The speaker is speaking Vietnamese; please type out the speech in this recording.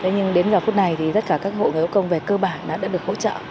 nhưng đến giờ phút này thì tất cả các hộ nghèo công về cơ bản đã được hỗ trợ